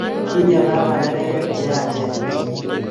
Tinyei baba neregek cheyachen ochei